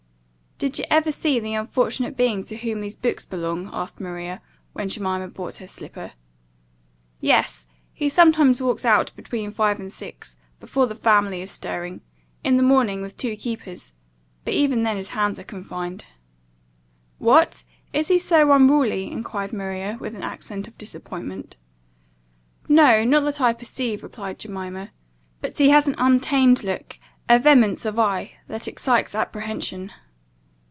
"Did you ever see the unfortunate being to whom these books belong?" asked Maria, when Jemima brought her slipper. "Yes. He sometimes walks out, between five and six, before the family is stirring, in the morning, with two keepers; but even then his hands are confined." "What! is he so unruly?" enquired Maria, with an accent of disappointment. "No, not that I perceive," replied Jemima; "but he has an untamed look, a vehemence of eye, that excites apprehension.